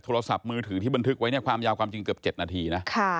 โทรศัพท์มือถือที่บันทึกไว้เนี่ยความยาวความจริงเกือบ๗นาทีนะ